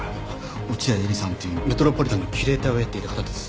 落合エリさんっていうメトロポリタンのキュレーターをやっていた方です。